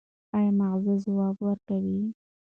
ایا مغز ځواب ورکوي؟